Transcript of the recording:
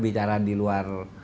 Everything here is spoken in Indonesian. bicara di luar